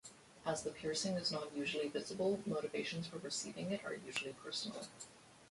As the piercing is not usually visible, motivations for receiving it are usually personal.